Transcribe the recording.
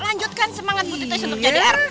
lanjutkan semangat bu titice untuk jadi rt